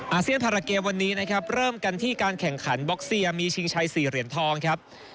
อาเซียนพาราเกมวันนี้นะครับเริ่มกันที่การแข่งขันบ็อกเซียมีชิงชัย๔เหรียญทองครับ